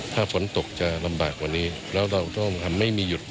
ถ้าฝนตกจะลำบากกว่านี้แล้วเราต้องทำไม่มีหยุด